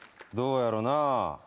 どうやろなぁ。